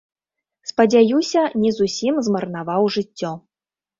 Спадзяюся, не зусім змарнаваў жыццё.